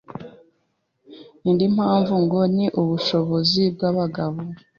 Indi mpamvu ngo ni ubushobozi bw’abagabo